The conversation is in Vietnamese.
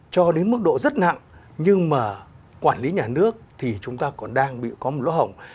cho đến mức độ rất nặng nhưng mà quản lý nhà nước thì chúng ta còn đang bị có một lỗ hỏng